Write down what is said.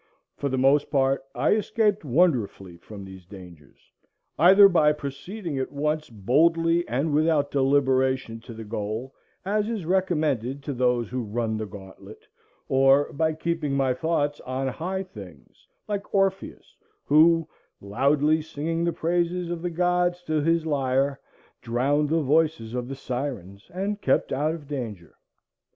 For the most part I escaped wonderfully from these dangers, either by proceeding at once boldly and without deliberation to the goal, as is recommended to those who run the gantlet, or by keeping my thoughts on high things, like Orpheus, who, "loudly singing the praises of the gods to his lyre, drowned the voices of the Sirens, and kept out of danger."